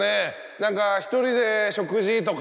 何かひとりで食事とか。